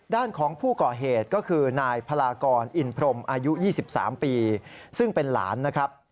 ด้านของผู้ก่อเหตุก็คือนายพลากรอินพรมอายุ๒๓ปีซึ่งเป็นหลานนะครับ